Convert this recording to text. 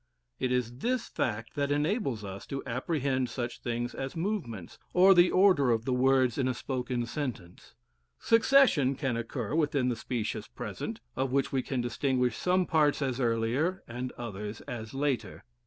It is this fact that enables us to apprehend such things as movements, or the order of the words in a spoken sentence. Succession can occur within the specious present, of which we can distinguish some parts as earlier and others as later.